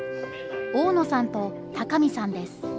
大野さんと鷹見さんです。